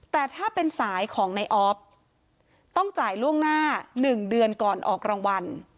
แต่ถ้าเป็นสายของในออฟต้องจ่ายล่วงหน้า๑เดือนก่อนออกรางวัล